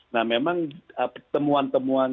nah memang temuan temuan